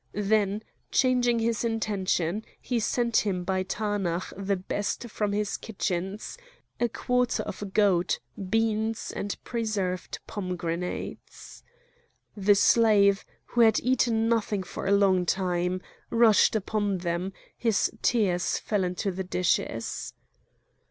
Then, changing his intention, he sent him by Taanach the best from his kitchens—a quarter of a goat, beans, and preserved pomegranates. The slave, who had eaten nothing for a long time, rushed upon them; his tears fell into the dishes.